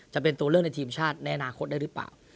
จะเป็นตัวเลือกในทีมชาติในอนาคตได้หรือเปล่า